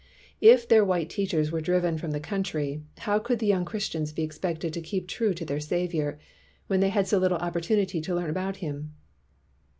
If their white teachers were driven from the country, how could the young Christians be expected to keep true to their Saviour, when they had so little opportunity to learn about him?